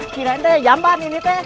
kirain deh jamban ini teh